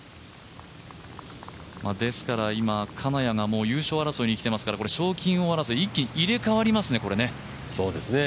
ですから今、金谷が優勝争いにきていますから賞金王争い、一気に入れ替わりますね、これね。